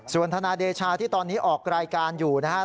ส่วนทนายเดชาที่ตอนนี้ออกรายการอยู่นะฮะ